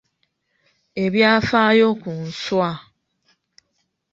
Ebyafaayo ku nswa.